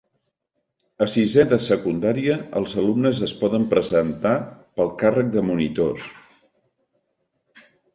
A sisè de secundaria, els alumnes es poden presentar pel càrrec de monitors.